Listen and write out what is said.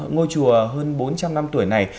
ngôi chùa hơn bốn trăm linh năm tuổi này